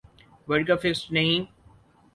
world cup fixed نہی